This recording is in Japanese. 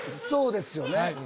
そうですよね。